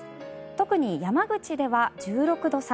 特に山口では１６度差。